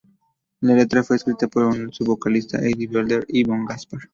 La letra fue escrita por su vocalista Eddie Vedder y Boom Gaspar.